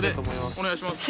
おねがいします。